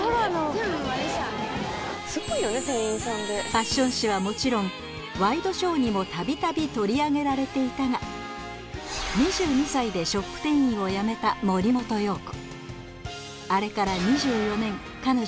ファッション誌はもちろんワイドショーにも度々取り上げられていたが２２歳でショップ店員をやめた森本容子